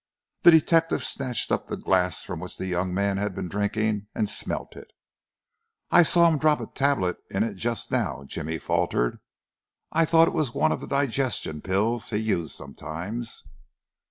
The detective snatched up the glass from which the young man had been drinking, and smelt it. "I saw him drop a tablet in just now," Jimmy faltered. "I thought it was one of the digestion pills he uses sometimes."